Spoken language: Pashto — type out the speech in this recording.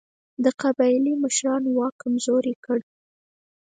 د قبایلي مشرانو واک کمزوری کړ.